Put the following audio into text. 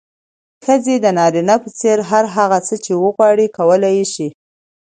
ښځې د نارينه په څېر هر هغه څه چې وغواړي، کولی يې شي.